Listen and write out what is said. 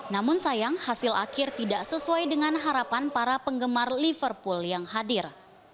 namun sayang hasil akhir tidak sesuai dengan harapan para penggemar liverpool yang hadir